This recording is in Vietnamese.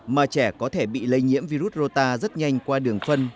mà trẻ có thể bị lây nhiễm virus rota rất nhanh qua đường phân